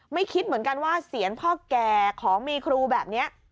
คิดเหมือนกันว่าเสียงพ่อแก่ของมีครูแบบนี้